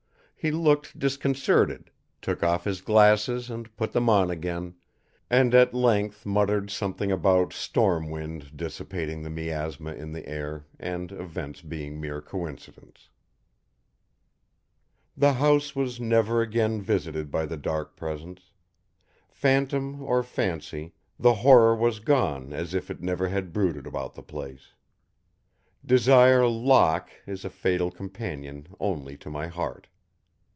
He looked disconcerted, took off his glasses and put them on again, and at length muttered something about storm wind dissipating the miasma in the air and events being mere coincidence. The house was never again visited by the Dark Presence. Phantom or fancy, the horror was gone as if it never had brooded about the place. Desire Locke is a fatal companion only to my heart.